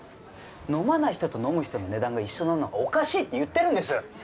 飲まない人と飲む人の値段が一緒なのはおかしいって言ってるんです！